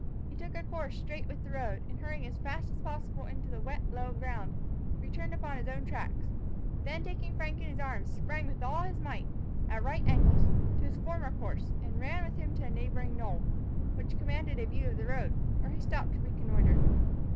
He took a course straight with the road, and hurrying as fast as possible into the wet low ground, returned upon his own track; then, taking Frank in his arms, sprang with all his might, at right angles, to his former course, and ran with him to a neighbouring knoll, which commanded a view of the road, where he stopped to reconnoitre.